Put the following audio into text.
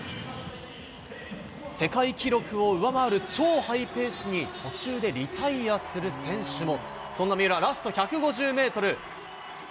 世界記録を上回る超ハイペースに途中でリタイアする選手も。